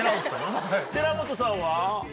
寺本さんは？